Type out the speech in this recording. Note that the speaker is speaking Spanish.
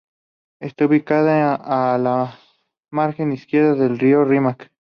Está ubicado a la margen izquierda del río Rímac.